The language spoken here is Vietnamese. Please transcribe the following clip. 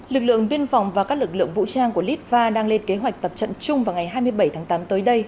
lực lượng biên phòng và các lực lượng vũ trang của litva đang lên kế hoạch tập trận chung vào ngày hai mươi bảy tháng tám tới đây